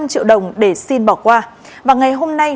trước tình trạng này